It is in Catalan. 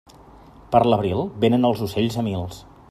Per l'abril, vénen els ocells a mils.